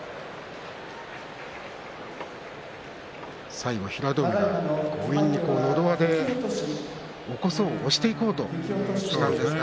最後、平戸海、強引にのど輪で押していこうとしたんですね。